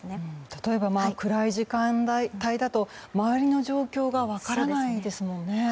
例えば暗い時間帯だと周りの状況が分からないですもんね。